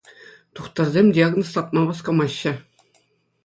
Тухтӑрсем диагноз лартма васкамаҫҫӗ.